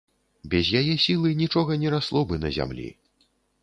Без яе сілы нічога не расло бы на зямлі.